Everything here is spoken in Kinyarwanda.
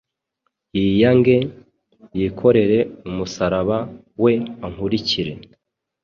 yiyange, yikorere umusaraba we, ankurikire.”